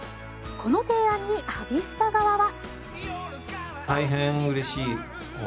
この提案にアビスパ側は。